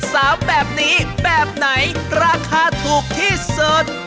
สามแบบนี้แบบไหนราคาถูกที่สุด